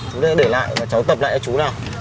chú sẽ để lại và cháu tập lại cho chú này